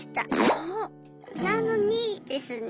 そう！なのにですね。